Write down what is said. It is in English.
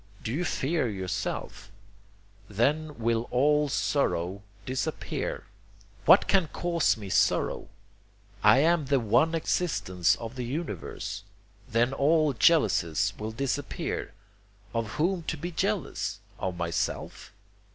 Do you fear yourself? Then will all sorrow disappear. What can cause me sorrow? I am the One Existence of the universe. Then all jealousies will disappear; of whom to be jealous? Of myself?